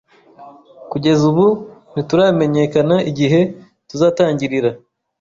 Kugeza ubu ntituramenyekana igihe tuzatangirira.